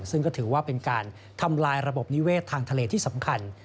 ซึ่งก็ถือว่าเป็นการทำลายระบบนิเวศทางทะเลที่สำคัญ